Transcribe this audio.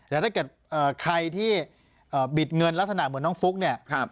แล้วถ้าเกิดใครที่บิดเงินลักษณะเหมือนน้องฟุ๊กเนี่ย